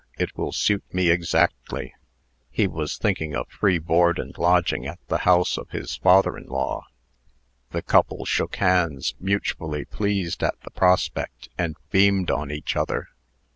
It will suit me exactly." He was thinking of free board and lodging at the house of his father in law. The couple shook hands, mutually pleased at the prospect, and beamed on each other.